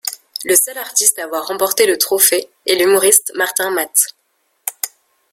Le seul artiste à avoir remporté le trophée est l'humoriste Martin Matte.